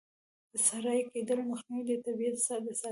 د صحرایې کیدلو مخنیوی، د طبیعیت د ساتنې.